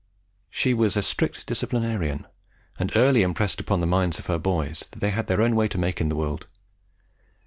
She was a strict disciplinarian, and early impressed upon the minds of her boys that they had their own way to make in the world.